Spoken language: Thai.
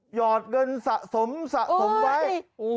หยอดเงินสะสมไว้